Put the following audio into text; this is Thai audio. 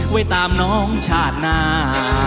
ไว้ตามน้องชาติหน้า